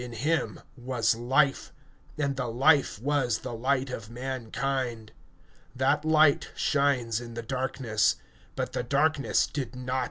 (4)In him was life; and the life was the light of men. (5)And the light shines in the darkness; and the darkness comprehended it not.